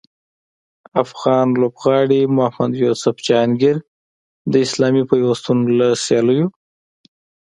افغان لوبغاړي محمد یوسف جهانګیر د اسلامي پیوستون له سیالیو